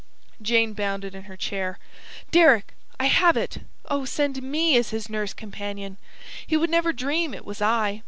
Jane bounded in her chair. "Deryck, I have it! Oh, send ME as his nurse companion! He would never dream it was I.